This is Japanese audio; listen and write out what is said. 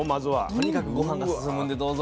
とにかくごはんが進むんでどうぞ。